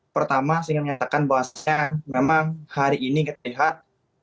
pertama saya ingin mengatakan bahwasannya memang hari ini kita lihat